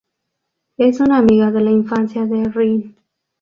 Es una amiga de la infancia de Rin.